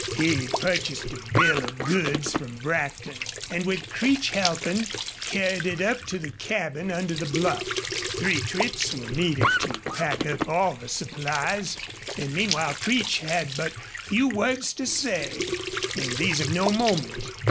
He purchased a bill of goods from Brackton, and, with Creech helping, carried it up to the cabin under the bluff. Three trips were needed to pack up all the supplies, and meanwhile Creech had but few words to say, and these of no moment.